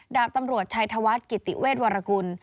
ดาบตำรวจชัยธวัฒน์กิติเวชวรกุล